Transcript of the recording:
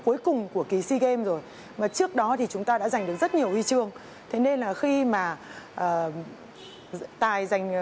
cuối cùng của kỳ sea games rồi mà trước đó thì chúng ta đã giành được rất nhiều huy chương thế nên là khi mà tài dành